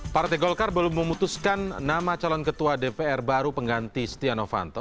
partai golkar belum memutuskan nama calon ketua dpr baru pengganti stiano fanto